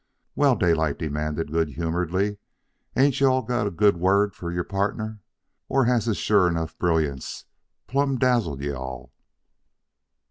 "Well," Daylight demanded good humoredly, "ain't you all got a good word for your pardner? Or has his sure enough brilliance plumb dazzled you all?"